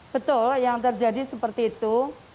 betul yang terjadi seperti itu